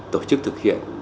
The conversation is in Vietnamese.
tổ chức thực hiện